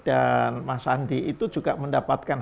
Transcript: dan mas andi itu juga mendapatkan